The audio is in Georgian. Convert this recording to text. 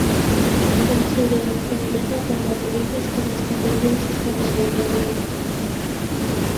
უფრო მცირე ერთეულებად დანაწილება სხვადასხვა რეგიონში სხვადასხვაგვარია.